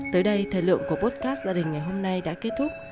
tới đây thời lượng của potcast gia đình ngày hôm nay đã kết thúc